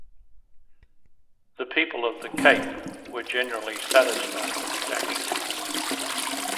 The people of the Cape were generally satisfied with his actions.